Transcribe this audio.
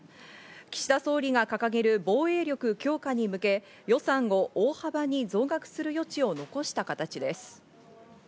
岸田総理が掲げる防衛力強化に向け、予算を大幅に増額する余地を残した形です。